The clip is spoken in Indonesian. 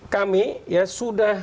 kami ya sudah